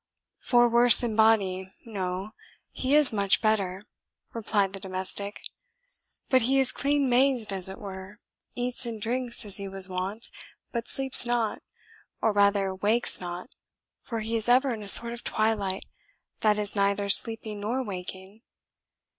"For worse in body no; he is much better," replied the domestic; "but he is clean mazed as it were eats and drinks as he was wont but sleeps not, or rather wakes not, for he is ever in a sort of twilight, that is neither sleeping nor waking.